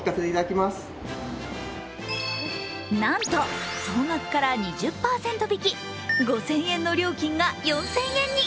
なんと総額から２０％引き、５０００円の料金が４０００円に。